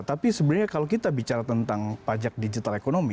tapi sebenarnya kalau kita bicara tentang pajak digital ekonomi